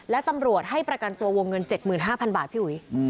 และตำรวจให้ประกันตัววงเงิน๗๕๐๐บาทพี่อุ๋ย